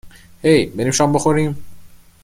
هی ، بریم شام بخوریم ؟